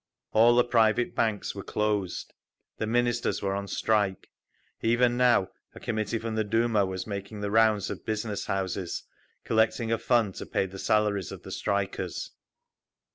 All the private banks were closed. The Ministries were on strike. Even now a committee from the Duma was making the rounds of business houses, collecting a fund to pay the salaries of the strikers….